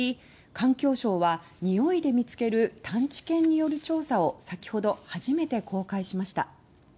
環境省は臭いで見つける探知犬による調査を先ほど初めて公開しました。